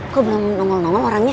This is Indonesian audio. kok belum nomel nomel orangnya